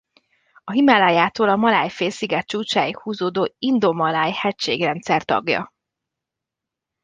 A Himalájától a Maláj-félsziget csúcsáig húzódó Indomaláj-hegységrendszer tagja.